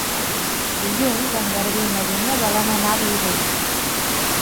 Dilluns en Garbí i na Dúnia volen anar a Bellvei.